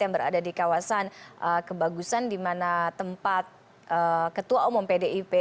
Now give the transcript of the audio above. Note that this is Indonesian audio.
yang berada di kawasan kebagusan di mana tempat ketua umum pdip